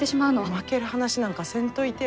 負ける話なんかせんといてよ。